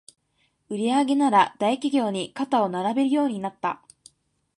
売上なら大企業に肩を並べるようになった